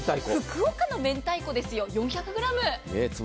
福岡の明太子ですよ、４００ｇ。